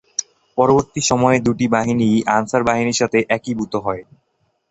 পরবর্তী সময়ে এ দুটি বাহিনীই আনসার বাহিনীর সঙ্গে একীভূত হয়।